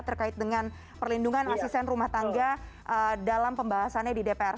terkait dengan perlindungan asisten rumah tangga dalam pembahasannya di dpr